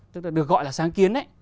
tức là được gọi là sáng kiến đấy